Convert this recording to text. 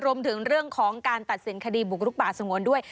รวมถึงเรื่องของการตัดสินคดีบุกรุกป่าสงวนด้วย